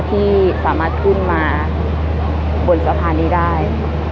ที่สามารถขึ้นมาบนสะพานนี้ได้